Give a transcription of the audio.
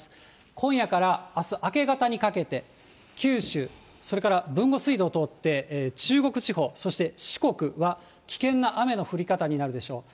今夜からあす明け方にかけて、九州、それから豊後水道を通って中国地方、そして四国は、危険な雨の降り方になるでしょう。